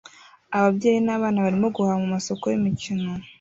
Ababyeyi nabana barimo guhaha mumasoko yimikino